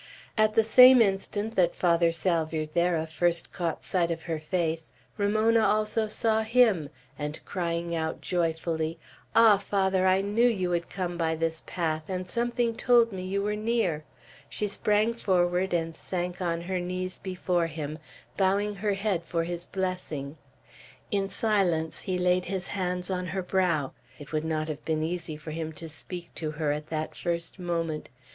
At the same instant that Father Salvierderra first caught sight of her face, Ramona also saw him, and crying out joyfully, "Ah, Father, I knew you would come by this path, and something told me you were near!" she sprang forward, and sank on her knees before him, bowing her head for his blessing. In silence he laid his hands on her brow. It would not have been easy for him to speak to her at that first moment.